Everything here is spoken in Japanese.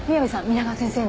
皆川先生に。